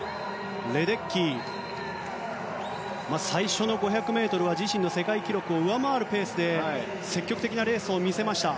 レデッキー、最初の５００ｍは自身の世界記録を上回るペースで積極的なレースを見せました。